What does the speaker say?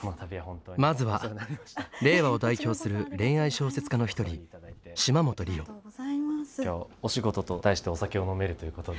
まずは令和を代表する恋愛小説家の一人今日はお仕事と題してお酒を飲めるということで。